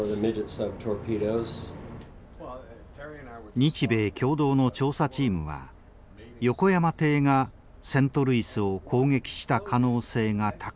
日米共同の調査チームは横山艇がセントルイスを攻撃した可能性が高いと考えている。